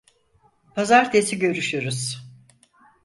Pazartesi görüşürüz.